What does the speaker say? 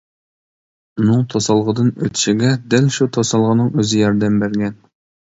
ئۇنىڭ توسالغۇدىن ئۆتۈشىگە دەل شۇ توسالغۇنىڭ ئۆزى ياردەم بەرگەن.